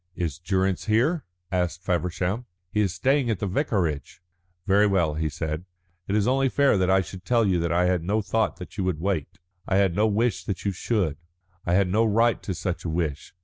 "Is Durrance here?" asked Feversham. "He is staying at the vicarage." "Very well," he said. "It is only fair that I should tell you I had no thought that you would wait. I had no wish that you should; I had no right to such a wish.